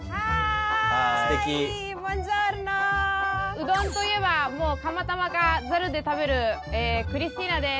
うどんといえばもう釜玉かざるで食べるクリスティーナです。